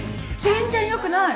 全然よくない。